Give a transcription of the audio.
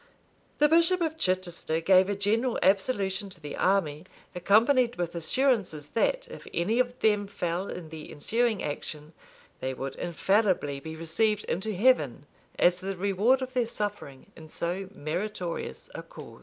The bishop of Chichester gave a general absolution to the army, accompanied with assurances, that, if any of them fell in the ensuing action, they would infallibly be received into heaven, as the reward of their suffering in so meritorious a cause.